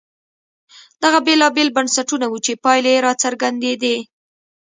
دغه بېلابېل بنسټونه وو چې پایلې یې راڅرګندېدې.